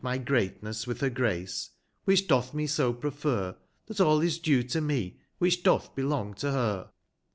175 My greatness with her grace, which doth me so prefer, 41 That all is due to me, which doth belong to her.